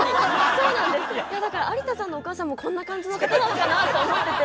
だから有田さんのお母さんもこんな感じの方なのかなと思ってて。